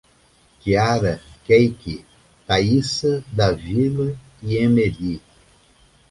Kiara, Kayky, Thaissa, Davila e Emeli